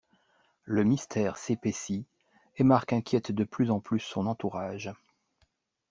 Le mystère s'épaissit et Marc inquiète de plus en plus son entourage.